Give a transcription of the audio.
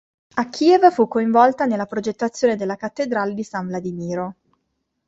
A Kiev fu coinvolta nella progettazione della Cattedrale di San Vladimiro.